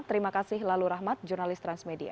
terima kasih lalu rahmat jurnalis transmedia